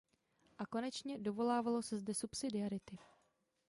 A konečně, dovolávalo se zde subsidiarity.